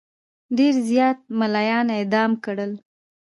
ډېر زیات مُلایان اعدام کړل.